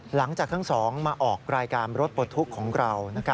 หลังจากทั้งสองมาออกรายการรถปลดทุกข์ของเรา